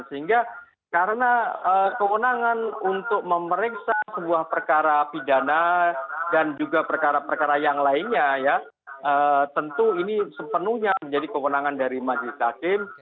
sehingga karena kewenangan untuk memeriksa sebuah perkara pidana dan juga perkara perkara yang lainnya ya tentu ini sepenuhnya menjadi kewenangan dari majelis hakim